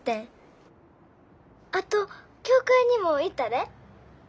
☎あと教会にも行ったで。